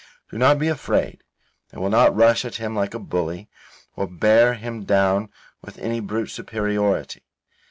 Do not be afraid. I will not rush at him like a bully, or bear him down with any brute superiority.